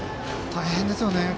大変ですよね。